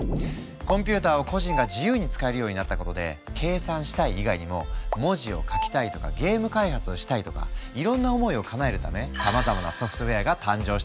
コンピューターを個人が自由に使えるようになったことで「計算したい」以外にも「文字を書きたい」とか「ゲーム開発」をしたいとかいろんな思いをかなえるためさまざまなソフトウェアが誕生していくの。